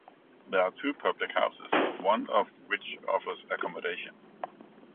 There are two public houses, one of which offers accommodation.